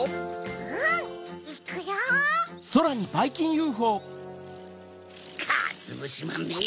うん！いくよ！かつぶしまんめ！